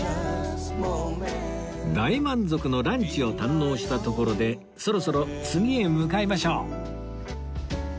大満足のランチを堪能したところでそろそろ次へ向かいましょう